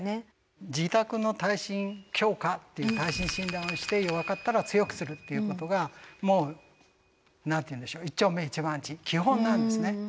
自宅の耐震強化っていう耐震診断をして弱かったら強くするっていうことがもう何と言うんでしょう一丁目一番地基本なんですね。